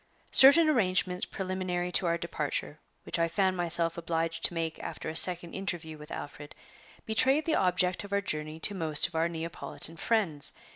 Certain arrangements preliminary to our departure, which I found myself obliged to make after a second interview with Alfred, betrayed the object of our journey to most of our Neapolitan friends.